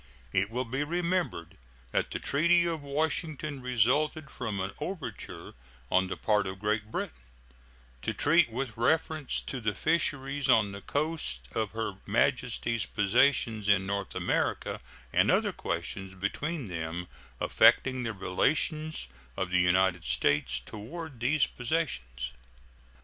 It will be remembered that the treaty of Washington resulted from an overture on the part of Great Britain to treat with reference to the fisheries on the coast of Her Majesty's possessions in North America and other questions between them affecting the relations of the United States toward these possessions.